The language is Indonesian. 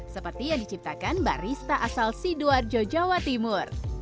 seperti yang diciptakan barista asal sidoarjo jawa timur